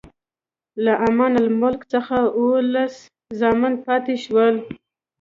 له امان الملک څخه اووه لس زامن پاتې شول.